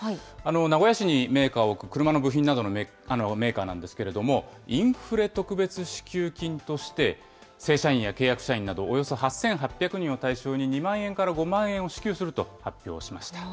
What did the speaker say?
名古屋市にメーカーを置く、車の部品などのメーカーなんですけれども、インフレ特別支給金として、正社員や契約社員などおよそ８８００人を対象に、２万円から５万円を支給すると発表しました。